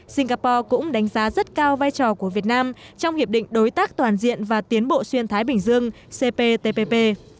singapore cũng đánh giá rất cao vai trò của việt nam trong hiệp định đối tác toàn diện và tiến bộ xuyên thái bình dương cptpp